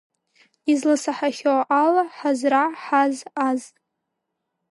Изласаҳахьоу ала, Ҳаззра, Ҳазз, Азз…